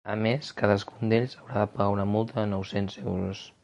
A més, cadascun d’ells haurà de pagar una multa de nou-cents euros.